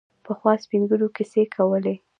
پخوا سپین ږیرو کیسې کولې.